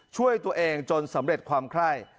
ช่วยตัวเองจนสำเร็จความไคร่